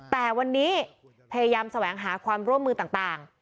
แต่วันนี้พยายามแสวงหาความร่วมมือต่าง